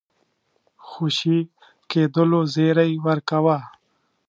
خوشي کېدلو زېری ورکاوه.